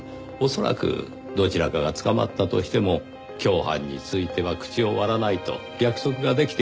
恐らくどちらかが捕まったとしても共犯については口を割らないと約束ができていたのでしょうねぇ。